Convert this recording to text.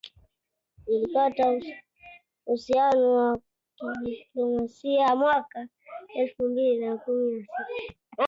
ilikata uhusiano wa kidiplomasia mwaka elfu mbili na kumi na sita